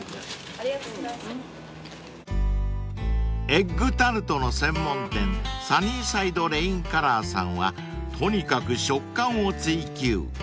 ［エッグタルトの専門店サニーサイドレインカラーさんはとにかく食感を追求］